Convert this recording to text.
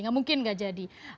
enggak mungkin enggak jadi